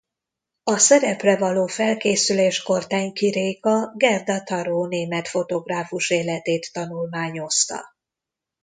A szerepre való felkészüléskor Tenki Réka Gerda Taro német fotográfus életét tanulmányozta.